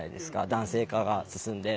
男性化が進んで。